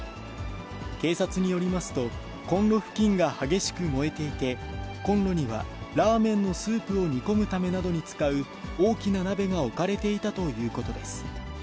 警察によりますと、コンロ付近が激しく燃えていて、コンロにはラーメンのスープを煮込むためなどに使う大きな鍋が置かれていたということです。